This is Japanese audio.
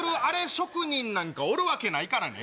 職人なんかおるわけないからね。